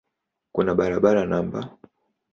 Kuna barabara no.